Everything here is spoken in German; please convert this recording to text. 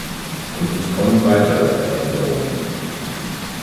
Und es kommen weitere Veränderungen.